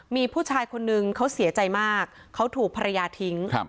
มีผู้ชายคนนึงเขาเสียใจมากเขาถูกภรรยาทิ้ง